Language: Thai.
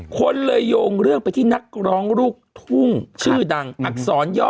คนเลยโยงเรื่องไปที่นักร้องลูกทุ่งชื่อดังอักษรย่อ